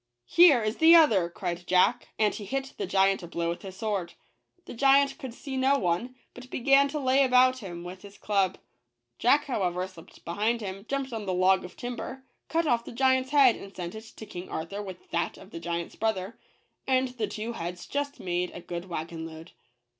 " Here is the other," cried Jack, and he hit the giant a blow with his sword. The giant could see no one, but began to lay about him with his club: Jack, however, slipped behind him, jumped on the log of timber, cut off the giant's head, and sent it to King Arthur with that of the giant's brother ; and the two heads just made a good wagon load.